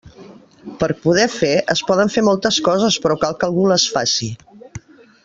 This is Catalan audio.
Per poder fer, es poden fer moltes coses, però cal que algú les faci.